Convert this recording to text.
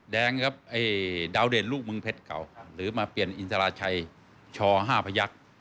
ดาวเด่นลูกมึงเพชรเก่าหรือมาเปลี่ยนอินทราชัยชห้าพยักษ์